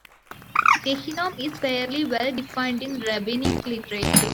"Gehinom" is fairly well defined in rabbinic literature.